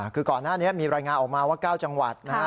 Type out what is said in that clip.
คือก่อนหน้านี้มีรายงานออกมาว่า๙จังหวัดนะฮะ